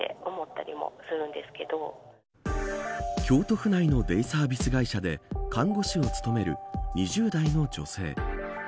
京都府内のデイサービス会社で看護師を務める２０代の女性。